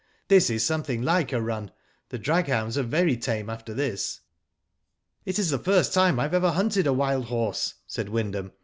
This is something like a run. The draghounds are very tame after this." It is the first time I have ever hunted a wild horse," Said Wyndham.